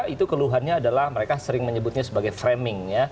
itu keluhannya adalah mereka sering menyebutnya sebagai framing